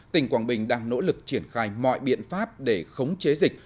tỉnh quảng bình đang nỗ lực triển khai mọi biện pháp để khống chế dịch